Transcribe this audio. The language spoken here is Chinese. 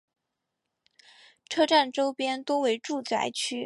车站周边多为住宅区。